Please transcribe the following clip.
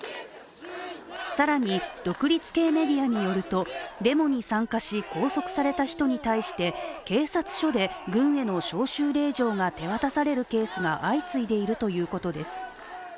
更に独立系メディアによるとデモに参加し拘束された人に対して、警察署で軍への招集令状が手渡されるケースが相次いでいるということです。